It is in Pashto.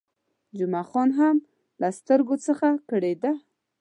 جمعه خان هم له سترګو څخه کړېده.